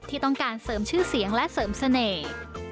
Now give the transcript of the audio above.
ที่ต้องการเสริมชื่อเสียงและเสริมเสน่ห์